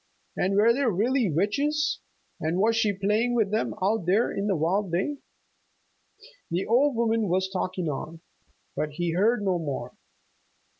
And were there really witches, and was she playing with them out there in the wild day? The old woman was talking on, but he heard no more.